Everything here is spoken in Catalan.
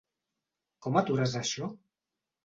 Com atures això?